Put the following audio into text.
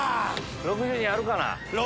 ６２あるかな？